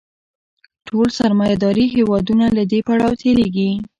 ټول سرمایه داري هېوادونه له دې پړاو تېرېږي